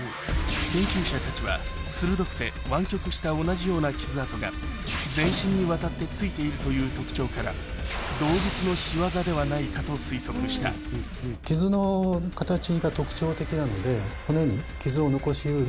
研究者たちは鋭くて湾曲した同じような傷痕が全身にわたってついているという特徴からと推測したそのうち。